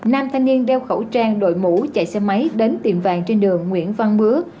nam thanh niên đeo khẩu trang đội mũ chạy xe máy đến tiệm vàng trên đường nguyễn văn bứa